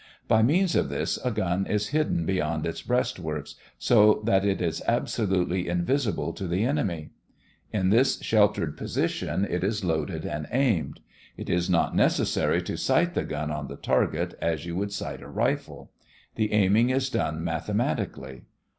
By means of this a gun is hidden beyond its breastworks so that it is absolutely invisible to the enemy. In this sheltered position it is loaded and aimed. It is not necessary to sight the gun on the target as you would sight a rifle. The aiming is done mathematically.